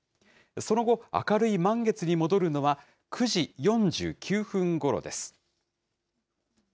その後、明るい満月に戻るのは、９時４９分ごろです。